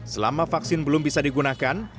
selama vaksin belum bisa digunakan